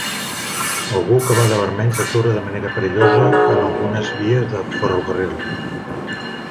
Algú que va de vermell s'atura de manera perillosa en algunes vies del ferrocarril